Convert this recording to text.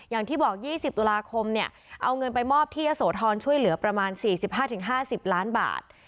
อย่างที่บอก๒๐ตุลาคมเนี่ยเอาเงินไปมอบที่ยะโสธรช่วยเหลือประมาณ๔๕๕๐ล้านบาท